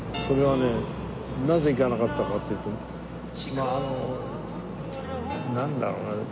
それはねなぜ行かなかったかっていうとまああのなんだろうな。